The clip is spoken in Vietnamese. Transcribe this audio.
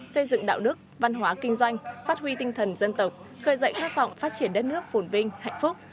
xây dựng đạo đức văn hóa kinh doanh phát huy tinh thần dân tộc khởi dậy khát vọng phát triển đất nước phồn vinh hạnh phúc